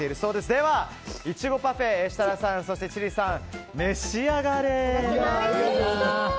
では、いちごパフェ設楽さん、そして千里さんおいしそう！